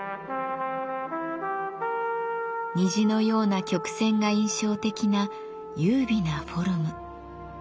虹のような曲線が印象的な優美なフォルム。